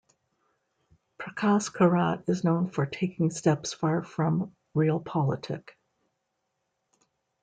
Prakas Karat is known for taking steps far from Realpolitik.